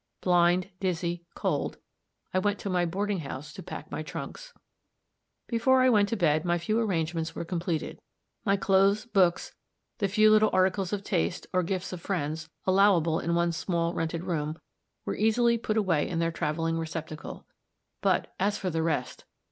Blind, dizzy, cold, I went to my boarding house to pack my trunks. Before I went to bed, my few arrangements were completed. My clothes, books, the few little articles of taste, or gifts of friends, allowable in one small rented room, were easily put away in their traveling receptacle. But, as for the rest!